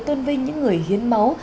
tôn vinh những người hiến máu